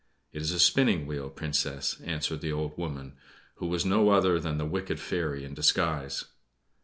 "It is a spinning wheel, Princess," answered the old woman, who was no other than the wicked fairy in disguise.